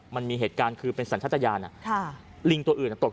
มันมีเหตุการณ์คือเป็นสรรทรศาสตร์ยานลึกตัวอยู่